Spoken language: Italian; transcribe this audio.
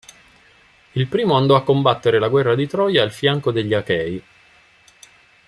Il primo andò a combattere la guerra di Troia al fianco degli Achei.